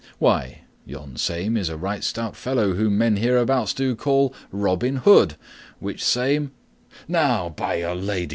"Why, yon same is a right stout fellow whom men hereabouts do call Robin Hood, which same " "Now, by'r Lady!"